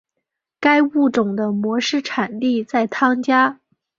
该物种的模式产地在汤加。